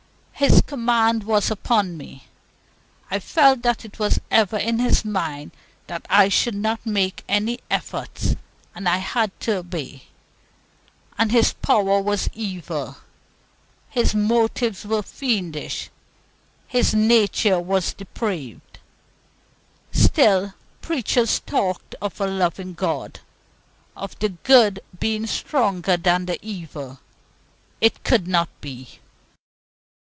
His command was upon me. I felt that it was ever in his mind that I should not make any efforts, and I had to obey. And his power was evil, his motives were fiendish, his nature was depraved. Still preachers talked of a loving God, of the good being stronger than the evil. It could not be.